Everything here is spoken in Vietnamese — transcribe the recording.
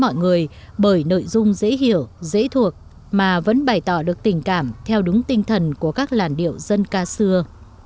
mọi người bởi nội dung dễ hiểu dễ thuộc mà vẫn bày tỏ được tình cảm theo đúng tinh thần của các làn điệu dân ca xưa